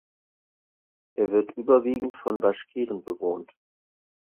Er wird überwiegend von Baschkiren bewohnt.